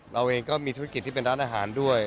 เราเองก็มีธุรกิจที่เป็นร้านอาหารด้วย